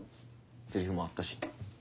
せりふもあったし。